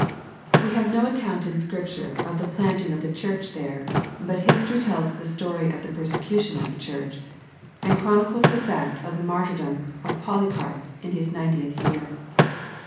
We have no account in Scripture of the planting of the church there, but history tells the story of the persecution of the church, and chronicles the fact of the martyrdom of Poly carp in his ninetieth year.